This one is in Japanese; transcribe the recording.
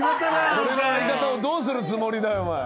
俺の在り方をどうするつもりだよ。